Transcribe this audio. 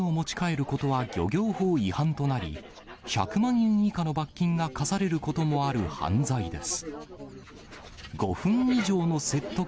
貝を持ち帰ることは漁業法違反となり、１００万円以下の罰金が科されることもある犯罪です。